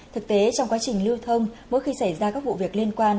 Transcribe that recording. thực tế trong quá trình lưu thông mỗi khi xảy ra các vụ việc liên quan